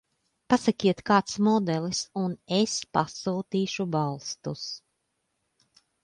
Pasakiet kāds modelis un es pasūtīšu balstus.